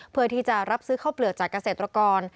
เพื่อที่จะรับซื้อข้าวเปลือกจากเกษตรกร